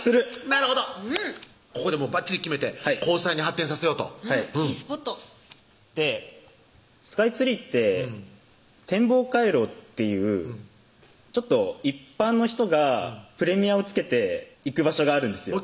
なるほどここでばっちり決めて交際に発展させようといいスポットでスカイツリーって天望回廊っていう一般の人がプレミアを付けて行く場所があるんですよ